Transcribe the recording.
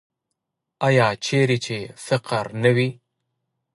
آیا چیرې چې فقر نه وي؟